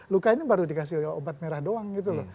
luka ini baru dikasih obat merah doang gitu loh